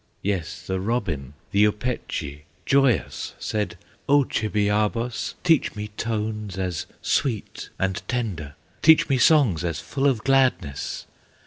Yes, the robin, the Opechee, Joyous, said, "O Chibiabos, Teach me tones as sweet and tender, Teach me songs as full of gladness!"